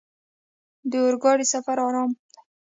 د اورګاډي سفر ارام دی.